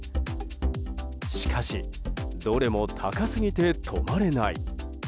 しかしどれも高すぎて泊まれない。